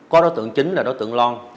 có đối tượng chính là đối tượng lon